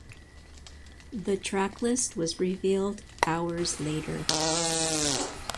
The tracklist was revealed hours later.